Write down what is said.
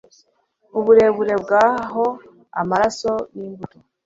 uburebure bwa ho amaraso n'imbuto